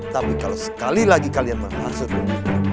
tapi kalau sekali lagi kalian bermaksud